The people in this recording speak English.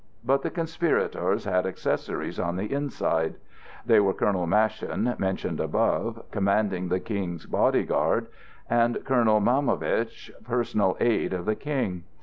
But the conspirators had accessories on the inside. They were Colonel Maschin, mentioned above, commanding the King's body guard, and Colonel Maumovitch, personal aid of the King.